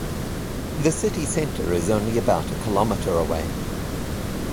The city center is only about a kilometer away.